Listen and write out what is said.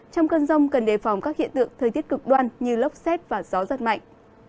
trong cơn rông cần đề phòng các hiện tượng thời tiết cực đoan như lốc xét và gió rất mạnh